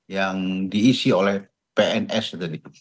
yang diisi oleh pns tadi